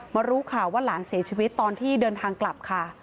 รู้ข่าวว่าหลานเสียชีวิตตอนที่เดินทางกลับค่ะ